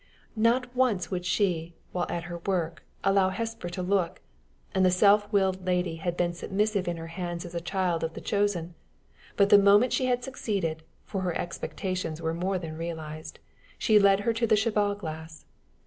Not once would she, while at her work, allow Hesper to look, and the self willed lady had been submissive in her hands as a child of the chosen; but the moment she had succeeded for her expectations were more than realized she led her to the cheval glass.